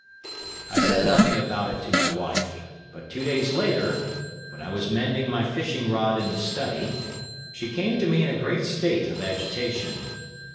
"I said nothing about it to my wife, but two days later, when I was mending my fishing rod in the study, she came to me in a great state of agitation.